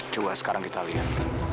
coba sekarang kita lihat